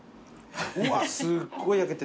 うわすっごい焼けてて。